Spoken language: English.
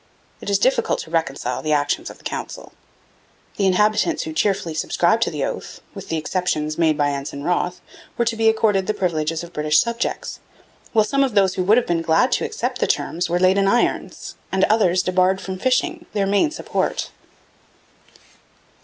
It is difficult to reconcile the actions of the Council. The inhabitants who cheerfully subscribed to the oath, with the exceptions made by Ensign Wroth, were to be accorded the privileges of British subjects, while some of those who would have been glad to accept the same terms were laid in irons, and the others debarred from fishing, their main support.